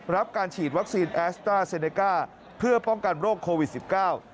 รับการฉีดวัคซีนแอสต้าเซเนก้าเพื่อป้องกันโรคโควิดสิบเก้า